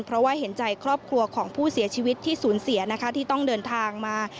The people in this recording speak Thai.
เพราะว่าเห็นใจครอบครัวของผู้เสียชีวิตที่สูญเสียนะคะที่ต้องเดินทางมา